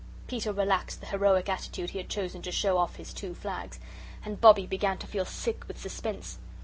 Peter relaxed the heroic attitude he had chosen to show off his two flags. And Bobbie began to feel sick with suspense.